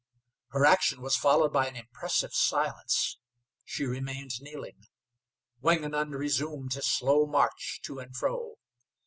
Her action was followed by an impressive silence. She remained kneeling. Wingenund resumed his slow march to and fro.